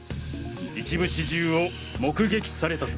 一部始終を目撃されたと。